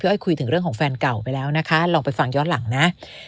อ้อยคุยถึงเรื่องของแฟนเก่าไปแล้วนะคะลองไปฟังย้อนหลังนะ